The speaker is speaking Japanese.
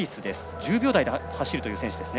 １０秒台で走るという選手。